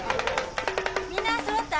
みんなそろった？